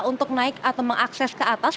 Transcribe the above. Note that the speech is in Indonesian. untuk naik atau mengakses ke atas